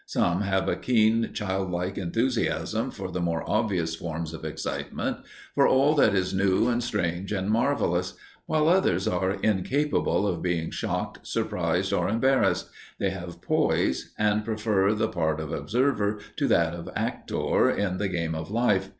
Some have a keen, childlike enthusiasm for the more obvious forms of excitement, for all that is new and strange and marvellous, while others are incapable of being shocked, surprised or embarrassed they have poise, and prefer the part of observer to that of actor in the game of life.